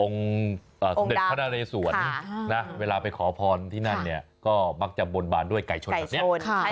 สมเด็จพระนาเรสวนเวลาไปขอพรที่นั่นเนี่ยก็มักจะบนบานด้วยไก่ชนแบบนี้